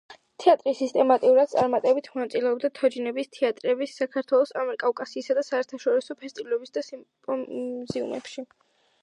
თეატრი სისტემატურად წარმატებით მონაწილეობდა თოჯინების თეატრების საქართველოს, ამიერკავკასიის და საერთაშორისო ფესტივალებსა და სიმპოზიუმებში.